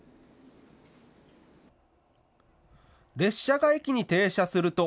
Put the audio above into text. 列車が駅に停車すると。